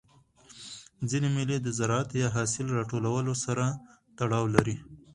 ځيني مېلې د زراعت یا حاصل د راټولولو سره تړاو لري.